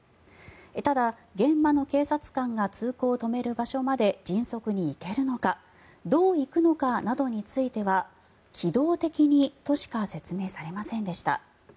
ただ、現場の警察官が通行を止める場所まで迅速に行けるのかどう行くのかなどについては機動的にとしか説明されませんでした。